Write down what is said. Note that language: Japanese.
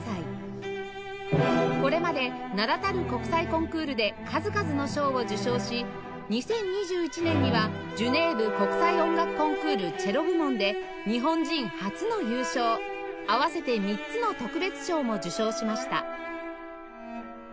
これまで名だたる国際コンクールで数々の賞を受賞し２０２１年にはジュネーヴ国際音楽コンクールチェロ部門で日本人初の優勝合わせて３つの特別賞も受賞しました